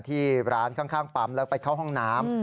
ที่ร้านข้างปั๊มแล้วไปเข้าห้องน้ำ